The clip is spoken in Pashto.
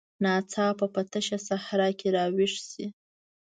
ناڅاپه په تشه صحرا کې راویښ شي.